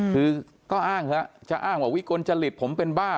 คือก็อ้างเถอะจะอ้างว่าวิกลจริตผมเป็นบ้า